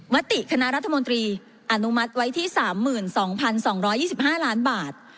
มติคณะรัฐมนตรีอนุมัติไว้ที่๓๒๒๒๕ล้านบาท